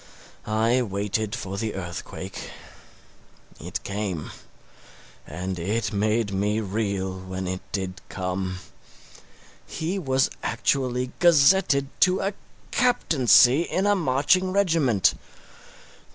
I waited for the earthquake. It came. And it made me reel when it did come. He was actually gazetted to a captaincy in a marching regiment!